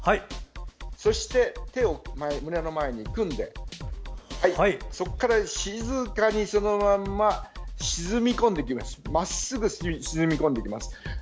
そして、手を胸の前で組んでそこから静かに、そのまままっすぐ沈み込んでいきます。